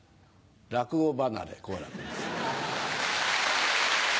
落語離れ好楽です。